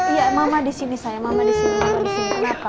iya mama disini sayang mama disini kenapa kenapa kenapa